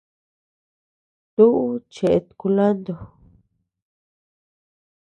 Tuʼu cheʼet kulantro.